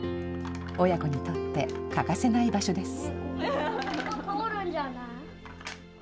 親子にとって欠かせない場所です。